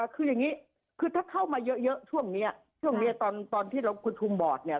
คืออย่างนี้ถ้าเข้ามาเยอะช่วงนี้ตอนที่คุณคุมบอทเนี่ย